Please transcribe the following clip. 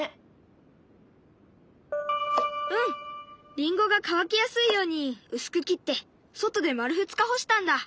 りんごが乾きやすいように薄く切って外で丸２日干したんだ。